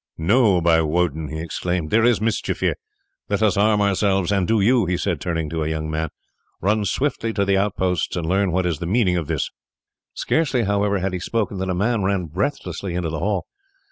"No, by Wodin," he exclaimed, "there is mischief here; let us arm ourselves, and do you," he said, turning to a young man, "run swiftly to the outposts, and learn what is the meaning of this." Scarcely, however, had he spoken when a man ran breathlessly into the hall.